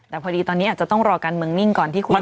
แต่พอดีตอนนี้อาจจะต้องรอการเมืองนิ่งก่อนที่คุณ